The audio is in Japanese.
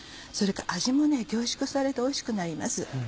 それから味も凝縮されておいしくなります。